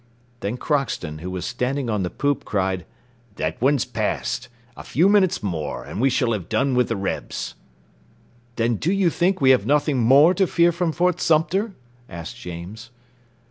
Then Crockston, who was standing on the poop, cried, "That's one passed. A few minutes more, and we shall have done with the Rebs." "Then do you think we have nothing more to fear from Fort Sumter?" asked James.